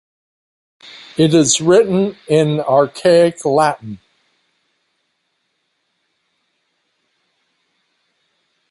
It is written in archaic Latin.